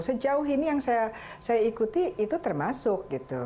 sejauh ini yang saya ikuti itu termasuk gitu